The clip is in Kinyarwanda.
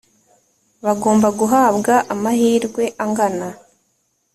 bagomba guhabwa amahirwe angana